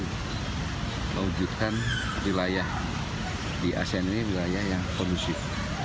dan mewujudkan wilayah di asia ini wilayah yang kondusif